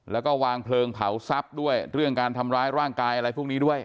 แล้วก็วางเพลิงเผาทรัพย์ด้วยเรื่องการทำร้ายร่างกายอะไรพวกนี้ด้วย